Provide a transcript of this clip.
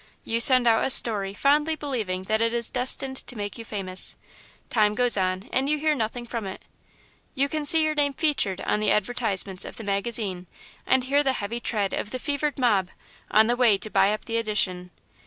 You send out a story, fondly believing that it is destined to make you famous. Time goes on, and you hear nothing from it. You can see your name 'featured' on the advertisements of the magazine, and hear the heavy tread of the fevered mob, on the way to buy up the edition.